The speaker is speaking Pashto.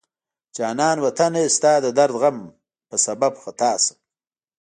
جانان وطنه ستا د درد غم په سبب خطا شم